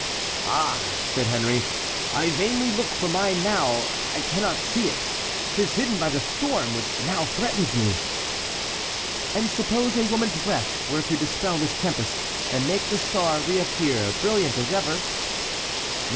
"Ah," said Henry, "I vainly look for mine now, I cannot see it; 'tis hidden by the storm which now threatens me!" "And suppose a woman's breath were to dispel this tempest, and make the star reappear, brilliant as ever?"